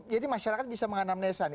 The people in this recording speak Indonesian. jadi masyarakat bisa menganam nesan